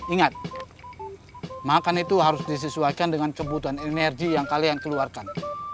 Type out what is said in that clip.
ingat makan itu harus disesuaikan dengan kebutuhan energi yang kalian keluarkan